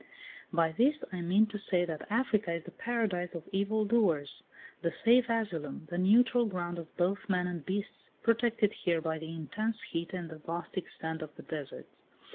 By this I mean to say that Africa is the paradise of evil doers, the safe asylum, the neutral ground of both men and beasts, protected here by the intense heat and the vast extent of the deserts.